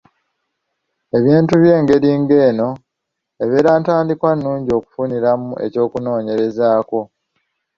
Ebintu eby’engeri eno, ebeera ntandikwa nungi okufuniramu ekyokunoonyerezaako.